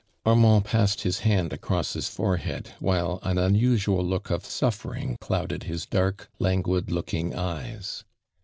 Armand passeil his hand across his fore head, while an unusual look of sutfering clouded his dark languid looking eyes.